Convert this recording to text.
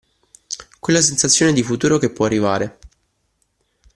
Quella sensazione di futuro che può arrivare.